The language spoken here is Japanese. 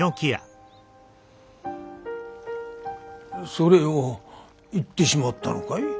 それを言ってしまったのかい？